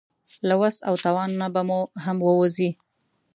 له وس او توان نه به مو هم ووځي.